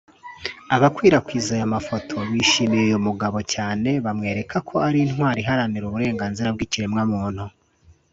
Abakwirakwizaga aya mafoto bishimiye uyu mugabo cyane bamwereka ko ari intwari iharanira uburenganzira bw’ikiremwamuntu